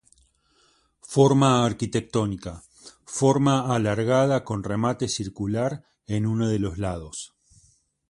Forma arquitectónica: forma alargada con remate circular en uno de los lados.